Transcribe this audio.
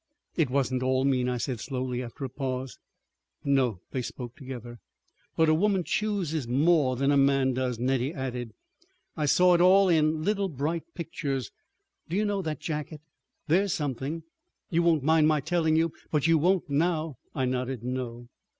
"It wasn't all mean," I said slowly, after a pause. "No!" They spoke together. "But a woman chooses more than a man does," Nettie added. "I saw it all in little bright pictures. Do you know—that jacket—there's something——— You won't mind my telling you? But you won't now!" I nodded, "No."